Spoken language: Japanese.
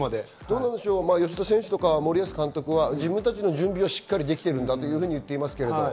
吉田選手や森保監督は自分たちの準備がしっかりできていると言っています。